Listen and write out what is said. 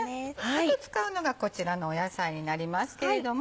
あと使うのがこちらの野菜になりますけれども。